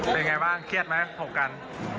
เป็นไงบ้างเครียดไหมถกกัน